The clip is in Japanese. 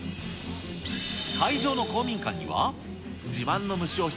会場の公民館には、自慢の虫を引